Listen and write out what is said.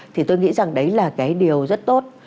thì tôi nghĩ rằng đấy là cái điều rất tốt